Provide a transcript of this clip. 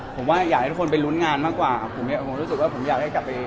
ผมอยากให้คนไปทำงานลุ้นงาน